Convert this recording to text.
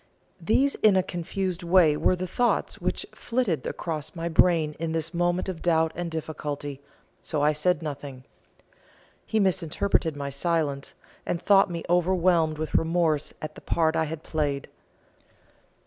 These in a confused way were the thoughts which flitted across my brain in this moment of doubt and difficulty, so I said nothing. He misinterpreted my silence, and thought me overwhelmed with remorse at the part I had played.